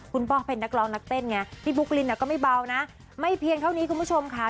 คุณป้องเป็นนักร้องนักเต้นไงพี่บุ๊กลินก็ไม่เบานะไม่เพียงเท่านี้คุณผู้ชมค่ะ